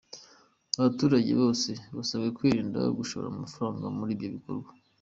Abaturage bose basabwe kwirinda gushora amafaranga muri ibyo bikorwa.